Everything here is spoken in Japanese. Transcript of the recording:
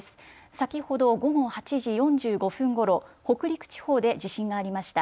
先ほど午後８時４５分ごろ、北陸地方で地震がありました。